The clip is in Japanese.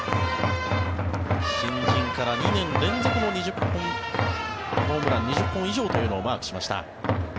新人から２年連続のホームラン２０本以上というのをマークしました。